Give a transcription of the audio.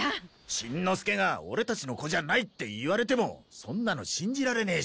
しんのすけがオレたちの子じゃないって言われてもそんなの信じられねえし。